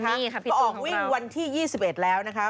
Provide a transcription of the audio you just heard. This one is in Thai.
ก็ออกวิ่งวันที่๒๑แล้วนะคะ